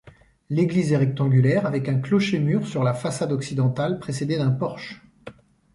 L'église est rectangulaire avec un clocher-mur sur la façade occidentale, précédé d'un porche.